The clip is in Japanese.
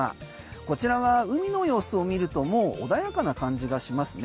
こちらは海の様子を見るともう穏やかな感じがしますね。